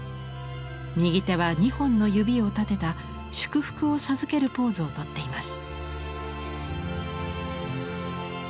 右手は２本の指を立てた祝福を授けるポーズを取っています。